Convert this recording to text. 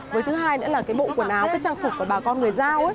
với thứ hai nữa là cái bộ quần áo cái trang phục của bà con người giao